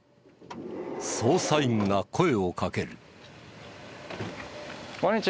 捜査員が声をかける。